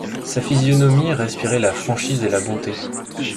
Sa physionomie respirait la franchise et la bonté.